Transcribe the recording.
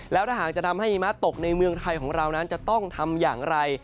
แล้วถ้าหากจะทำให้หิมะตกในเมืองไทยของเรานั้นจะต้องทำอย่างไร